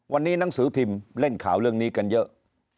วันนี้หนังสือพิมพ์เล่นข่าวเรื่องนี้กันเยอะ